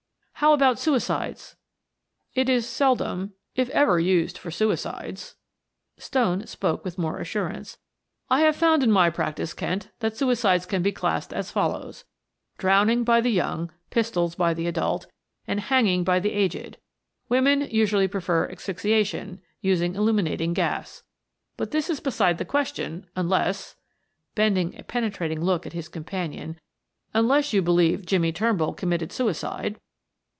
"How about suicides?" "It is seldom, if ever, used for suicides." Stone spoke with more assurance. "I have found in my practice, Kent, that suicides can be classed as follows: drowning by the young, pistols by the adult, and hanging by the aged; women generally prefer asphyxiation, using illuminating gas. But this is beside the question, unless" bending a penetrating look at his companion "unless you believe Jimmie Turnbull committed suicide."